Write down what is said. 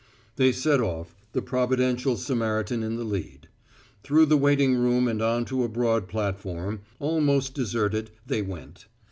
They set off, the providential Samaritan in the lead. Through the waiting room and on to a broad platform, almost deserted, they went.